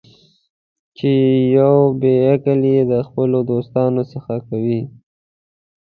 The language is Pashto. چې یو بې عقل یې د خپلو دوستانو څخه کوي.